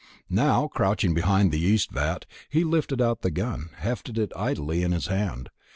Now, crouching behind the yeast vat, he lifted out the gun, hefted it idly in his hand.